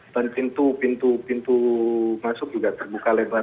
dan pintu pintu masuk juga terbuka lebar